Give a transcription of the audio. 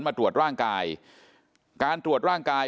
มาตรวจร่างกาย